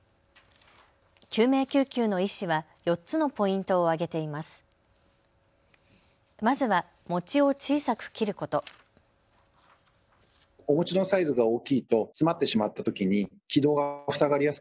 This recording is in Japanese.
救命救急の医師は４つのポイントを挙げています。